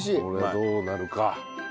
これどうなるか。